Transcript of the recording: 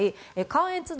関越道